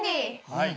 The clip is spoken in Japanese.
はい。